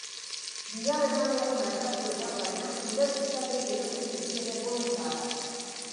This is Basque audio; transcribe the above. Bigarren mailako merkatuetan, baina, inbertitzaileei erosten dizkiete bonu zaharrak.